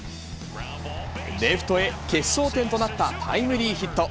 レフトへ決勝点となったタイムリーヒット。